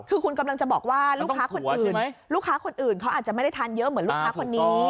คือคุณกำลังจะบอกว่าลูกค้าคนอื่นลูกค้าคนอื่นเขาอาจจะไม่ได้ทานเยอะเหมือนลูกค้าคนนี้